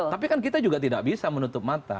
tapi kan kita juga tidak bisa menutup mata